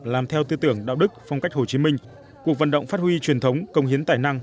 làm theo tư tưởng đạo đức phong cách hồ chí minh cuộc vận động phát huy truyền thống công hiến tài năng